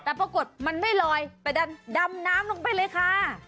แต่ปรากฏมันไม่ลอยไปดันดำน้ำลงไปเลยค่ะ